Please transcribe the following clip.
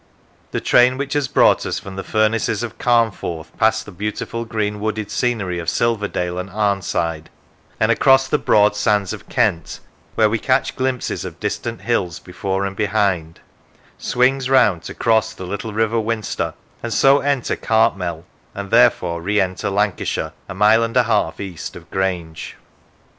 The train which has brought us from the furnaces of Carnforth past the beautiful green wooded scenery of Silverdale and Arnside, and across the broad sands of Kent, where we catch glimpses of distant hills before and behind, swings round to cross the little River Winster, and so enter Cartmel, (and therefore re enter Lancashire) a mile and a half east of Grange.